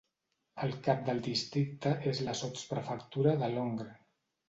El cap del districte és la sotsprefectura de Langres.